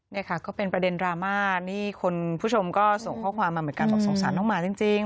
นี่ค่ะก็เป็นประเด็นดราม่านี่คุณผู้ชมก็ส่งข้อความมาเหมือนกันบอกสงสารน้องหมาจริง